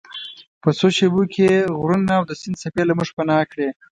په څو شیبو کې یې غرونه او د سیند څپې له موږ پناه کړې.